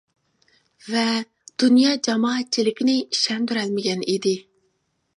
ۋە دۇنيا جامائەتچىلىكىنى ئىشەندۈرەلمىگەن ئىدى.